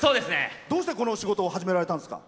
どうして、この仕事を始められたんですか。